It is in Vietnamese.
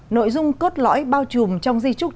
nội dung cốt lõi bao trùm trong di trúc